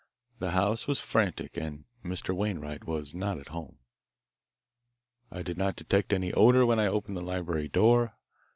The house was frantic, and Mr. Wainwright was not at home. "'I did not detect any odour when I opened the library door.